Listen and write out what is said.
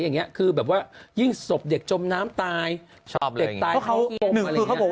อย่างนี้คือแบบว่ายิ่งศพเด็กจมน้ำตายชอบเลยเพราะเขาบอก